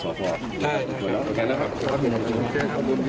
โอเคแล้วค่ะ